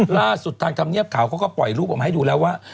ล่าสุดทางธรรมเนียบข่าวเขาก็ปล่อยรูปออกมาให้ดูแล้วว่า